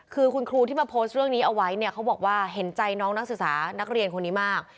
คือคุณครูที่มาโพสต์เรื่องนี้เอาไว้เนี่ยเขาบอกว่าเห็นใจน้องนักศึกษานักเรียนคนนี้มาก